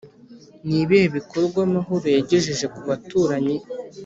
ni ibihe bikorwa mahoro yagejeje ku baturanyi’